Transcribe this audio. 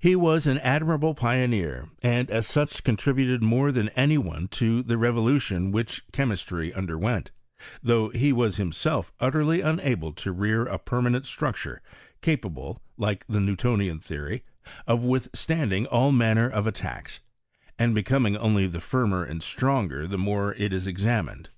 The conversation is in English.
He was an admirable pioneer, and as such, contri buted more than any one to the revolution which chemistry underwent; though he was himself utterly unable to rear a permanent structure capable, like the Newtonian theory, uf wilhstanding all manner of attacks, and becommg only the firmer and stronger , the more it is examined.